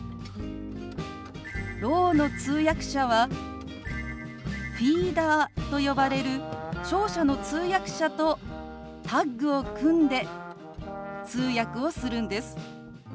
ろうの通訳者はフィーダーと呼ばれる聴者の通訳者とタッグを組んで通訳をするんです。